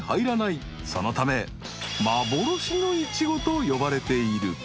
［そのため幻のイチゴと呼ばれている］